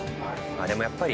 でもやっぱり。